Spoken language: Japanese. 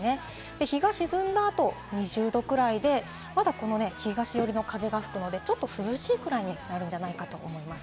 日が沈んだ後、２０度くらいで、東よりの風が吹くので、ちょっと涼しいくらいになるんじゃないかと思います。